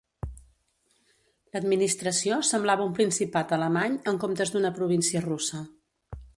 L"administració semblava un principat alemany, en comptes d"una província russa.